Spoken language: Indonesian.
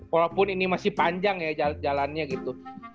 walaupun ini masih panjang ya jalannya gitu